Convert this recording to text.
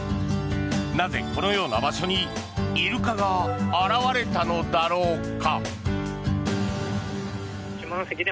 なぜ、このような場所にイルカが現れたのだろうか。